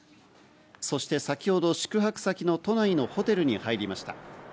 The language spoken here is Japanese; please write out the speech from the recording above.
そして先ほど宿泊先の都内のホテルに入りました。